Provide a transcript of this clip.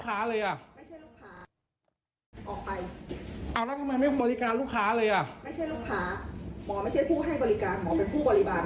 แล้วคนไข้เขาเป็นอะไรแล้วคุณทำอะไร